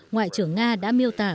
ngoại trưởng nga đã miêu tả